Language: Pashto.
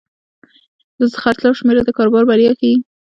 د خرڅلاو شمېره د کاروبار بریا ښيي.